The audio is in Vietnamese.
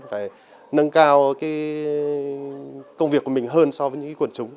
phải nâng cao công việc của mình hơn so với những quần chúng